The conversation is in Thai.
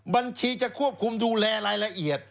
บัญชีจะควบคุมดูแลรายละเอียด